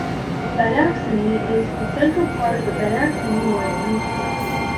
Badacsony is the central part of the Badacsony wine region.